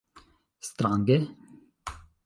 Strange?